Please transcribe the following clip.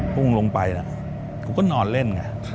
พุ่งลงไปนะกูก็นอนเล่นไง